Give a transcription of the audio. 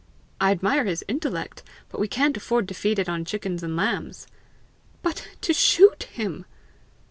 I admire his intellect, but we can't afford to feed it on chickens and lambs." "But to SHOOT him!"